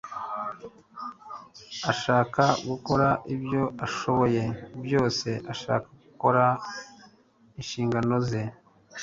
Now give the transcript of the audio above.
Ashaka gukora ibyo ashoboye byose ashaka gukora inshingano ze